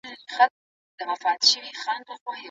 د لامبو ګټه یوازې د زړه لپاره نه، بلکې د مغز لپاره هم ده.